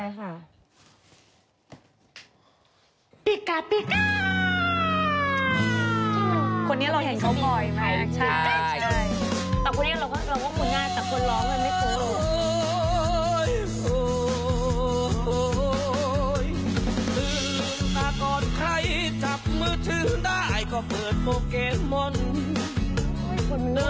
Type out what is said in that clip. คนนี้เราเห็นเขาบ่อยไหมใช่ใช่ใช่แต่คนนี้เราก็เราก็หงุนง่าย